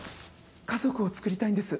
家族をつくりたいんです。